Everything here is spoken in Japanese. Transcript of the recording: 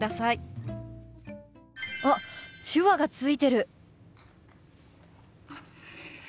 あっ手話がついてる！